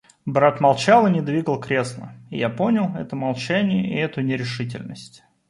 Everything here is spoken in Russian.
Брат молчал и не двигал кресла, и я понял это молчание и эту нерешительность.